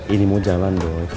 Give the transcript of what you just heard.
ini mau jalan doi